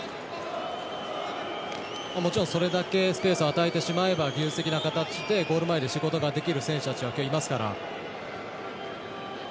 もちろんそれだけスペースを与えてしまえば技術的な形でゴール前で仕事ができる選手たちが今日、いますから。